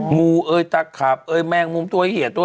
งูเอ๊ยตากคลับแมงมุมตัวแห่งตัว